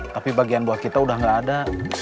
tapi bagian buah kita udah gak ada